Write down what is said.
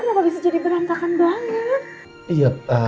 aku lagi coba menu baru crispy